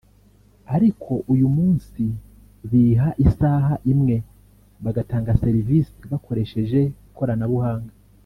ariko uyu munsi biha isaha imwe bagatanga serivisi bakoresheje ikoranabuhanga